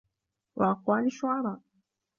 وَأَقْوَالِ الشُّعَرَاءِ